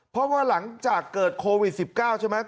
เพราะว่าหลังจากเกิดโควิด๑๙ใช่ไหม